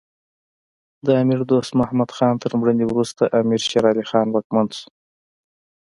د امیر دوست محمد خان تر مړینې وروسته امیر شیر علی خان واکمن شو.